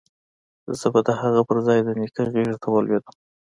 زه به د هغه پر ځاى د نيکه غېږې ته ولوېدم.